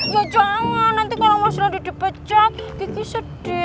ya jangan nanti kalau mas randy dipecat gigi sedih